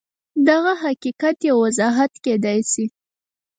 دغه حقیقت یو وضاحت کېدای شي